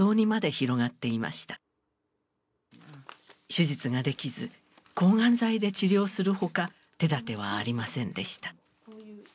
手術ができず抗がん剤で治療するほか手だてはありませんでした。